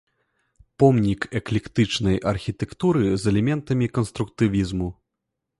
Помнік эклектычнай архітэктуры з элементамі канструктывізму.